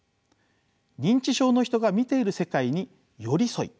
認知症の人が見ている世界に寄り添い